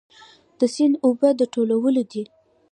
د سیند اوبه د ټولو دي؟